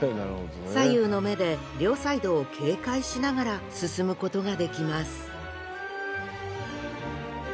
左右の目で両サイドを警戒しながら進むことができます